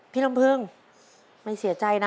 พี่ลำเพิ่งไม่เสียใจนะ